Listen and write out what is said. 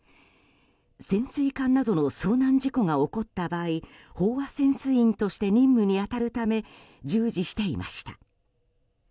潜水艦などの遭難事故が起こった場合飽和潜水員として任務に当たるため従事していました。